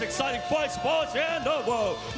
สงสัยของสปอร์ตแชนเดอร์เวิร์ด